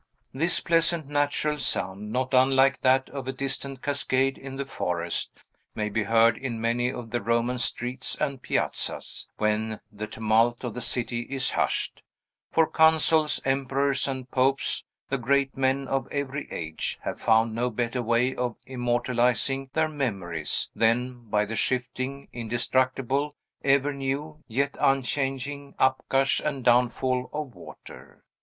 This pleasant, natural sound, not unlike that of a distant cascade in the forest, may be heard in many of the Roman streets and piazzas, when the tumult of the city is hushed; for consuls, emperors, and popes, the great men of every age, have found no better way of immortalizing their memories than by the shifting, indestructible, ever new, yet unchanging, upgush and downfall of water.